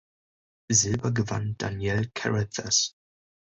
Silber gewann Danielle Carruthers.